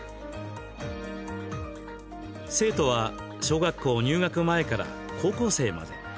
生徒は小学校入学前から高校生まで。